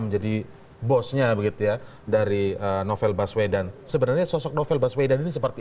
menjadi bosnya begitu ya dari novel baswedan sebenarnya sosok novel baswedan ini seperti